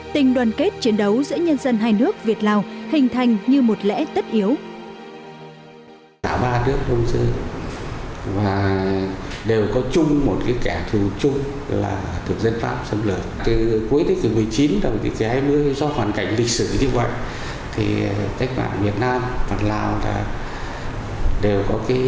tình đoàn kết chiến đấu giữa nhân dân hai nước việt lào hình thành như một lễ tất yếu